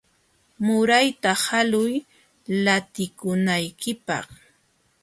Murayta haluy lantikunaykipaq.